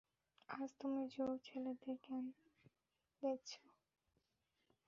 রাজ, তুমি যুবক ছেলেদের কেন দেখছো?